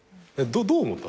どう思った？